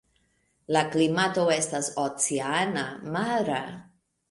La klimato estas oceana (mara).